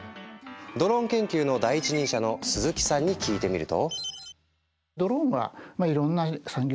ドローン研究の第一人者の鈴木さんに聞いてみると。